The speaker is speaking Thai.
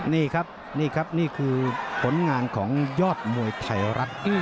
นี่ครับนี่ครับนี่คือผลงานของยอดมวยไทยรัฐ